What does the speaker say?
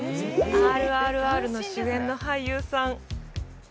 「ＲＲＲ」の主演の俳優さん